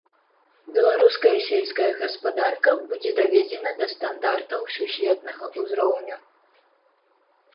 Беларуская сельская гаспадарка будзе даведзена да стандартаў сусветнага ўзроўню.